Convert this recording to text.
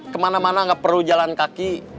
kemana mana gak perlu jalan kaki